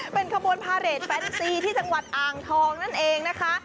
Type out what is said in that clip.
เป็นขบวนพาเรทแฟนซีที่จังหวัดอ่างทองนั่นเองนะคะ